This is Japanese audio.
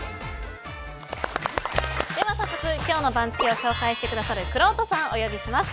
では早速今日の番付を紹介してくださるくろうとさんをお呼びします。